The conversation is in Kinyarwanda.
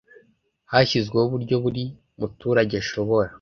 Hashyizweho uburyo buri muturage ashobora